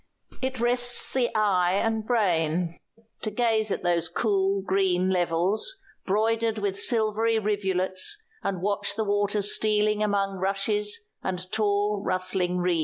It rests the eye and brain to gaze at those cool green levels, broidered with silvery rivulets, and watch the water stealing among rushes and tall rustling reeds.